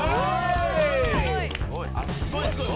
すごいすごい。